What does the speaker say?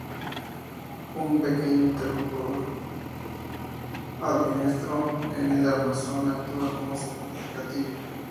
Un pequeño interruptor ambidiestro en el armazón actúa como seguro del gatillo.